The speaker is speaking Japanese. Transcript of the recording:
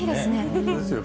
本当ですよね。